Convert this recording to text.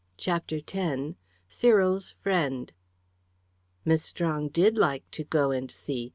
CHAPTER X CYRIL'S FRIEND Miss Strong did like to go and see.